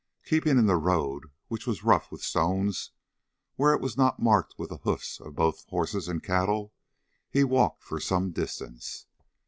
Keeping in the road, which was rough with stones where it was not marked with the hoofs of both horses and cattle, he walked for some distance.